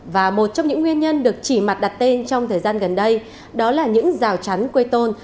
và một trong những nguyên nhân được chỉ mặt đặt tên trong thời gian gần đây đó là những rào chắn quê tôn